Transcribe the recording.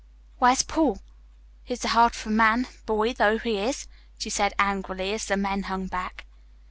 "Where's Paul? He's the heart of a man, boy though he is," she said angrily as the men hung back.